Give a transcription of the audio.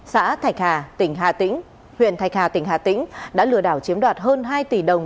xã thạch hà tỉnh hà tĩnh huyện thạch hà tỉnh hà tĩnh đã lừa đảo chiếm đoạt hơn hai tỷ đồng